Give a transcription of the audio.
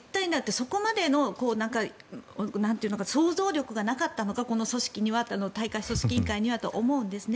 そこまでの想像力がなかったのかこの大会組織委員会にはと思うんですね。